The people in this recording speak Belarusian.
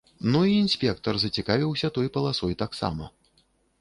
Ну і інспектар зацікавіўся той паласой таксама.